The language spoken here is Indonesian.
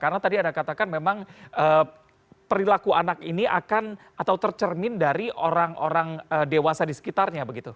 karena tadi anda katakan memang perilaku anak ini akan atau tercermin dari orang orang dewasa di sekitarnya begitu